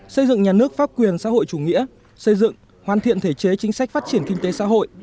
xây dựng nhà nước pháp quyền xã hội chủ nghĩa xây dựng hoàn thiện thể chế chính sách phát triển kinh tế xã hội